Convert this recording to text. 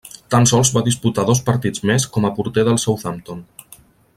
Tan sols va disputar dos partits més com a porter del Southampton.